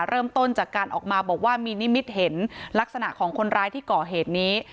เริ่มต้นจากการออกมาบอกว่ามีนิมิตเห็นลักษณะของคนร้ายที่ก่อเหตุนี้